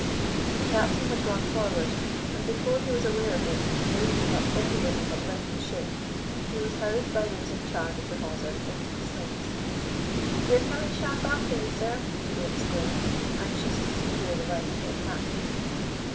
The captain had gone forward; and before he was aware of it, believing that everybody had left the ship, he was hurried by those in charge of the hawser into the slings. "We are coming sharp after you, sir," they exclaimed, anxious to secure the life of their captain.